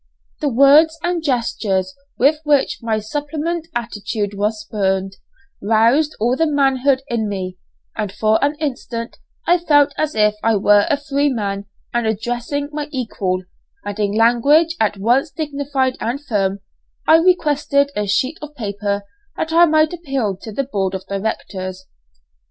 The words and gesture with which my suppliant attitude was spurned, roused all the manhood in me, and for an instant I felt as if I were a free man and addressing my equal, and in language at once dignified and firm, I requested a sheet of paper that I might appeal to the Board of Directors.